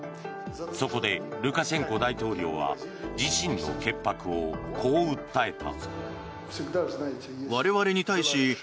そこで、ルカシェンコ大統領は自身の潔白をこう訴えた。